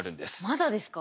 まだですか。